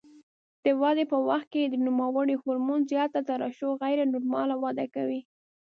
د ودې په وخت کې د نوموړي هورمون زیاته ترشح غیر نورماله وده کوي.